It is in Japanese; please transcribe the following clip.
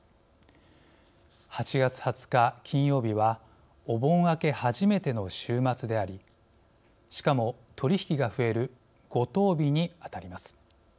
８月２０日、金曜日はお盆明け初めての週末でありしかも取り引きが増える「五十日」にあたります。